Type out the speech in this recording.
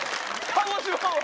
鹿児島は。